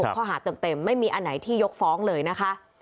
ข้อหาเต็มไม่มีอันไหนที่ยกฟ้องเลยนะคะ